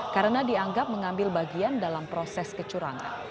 karena dianggap mengambil bagian dalam proses kecurangan